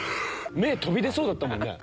目飛び出そうだったもんね。